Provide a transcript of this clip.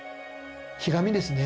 ひがみですね。